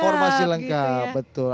formasi lengkap betul